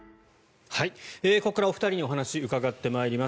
ここから、お二人にお話し伺ってまいります。